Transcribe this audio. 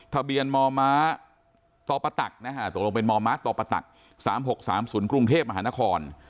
ทะเบียนมมตปต๓๖๓๐กรุงเทพฯมหานคร